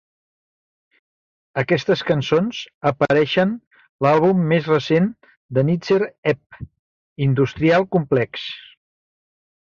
Aquestes cançons apareixen l'àlbum més recent de Nitzer Ebb, "Industrial Complex".